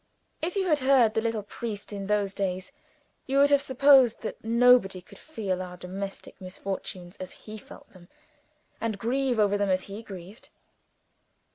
If you had heard the little priest in those days, you would have supposed that nobody could feel our domestic misfortunes as he felt them, and grieve over them as he grieved.